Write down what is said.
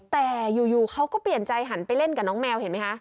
แต่อยู่เขาก็เปลี่ยนใจหันไปเล่นกับน้องแมวเห็นไหมคะ